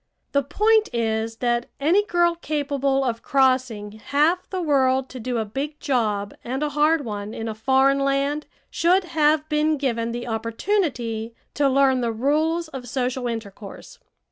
The point is that any girl capable of crossing half the world to do a big job and a hard one in a foreign land should have been given the opportunity to learn the rules of social intercourse.